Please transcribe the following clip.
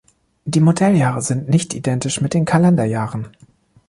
Die Modelljahre sind nicht identisch mit den Kalenderjahren.